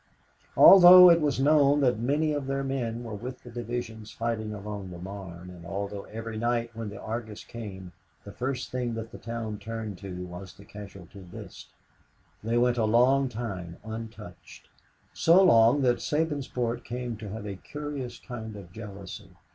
Although it was known that many of their men were with the divisions fighting along the Marne, and although every night when the Argus came, the first thing that the town turned to was the casualty list, they went a long time untouched so long that Sabinsport came to have a curious kind of jealousy.